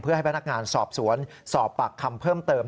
ให้พนักงานสอบสวนสอบปากคำเพิ่มเติม